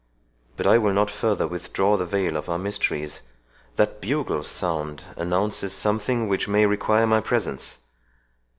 But I will not further withdraw the veil of our mysteries. That bugle sound announces something which may require my presence.